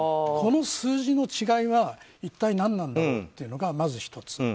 この数字の違いは一体何なんだろうというのがまず１つ。